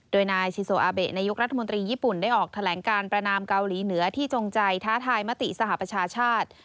โดยนายชิโซอาเบะนายกรัฐมนตรีญี่ปุ่นได้ออกแถลงการประนามเกาหลีเหนือที่จงใจท้าทายมติสหประชาชาติ